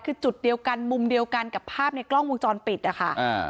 คือจุดเดียวกันมุมเดียวกันกับภาพในกล้องวงจรปิดนะคะ